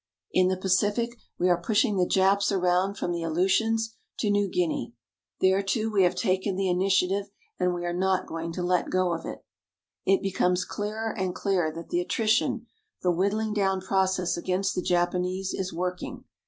In the Pacific, we are pushing the Japs around from the Aleutians to New Guinea. There too we have taken the initiative and we are not going to let go of it. It becomes clearer and clearer that the attrition, the whittling down process against the Japanese is working.